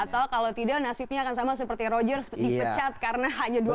atau kalau tidak nasibnya akan sama seperti roger dipecat karena hanya dua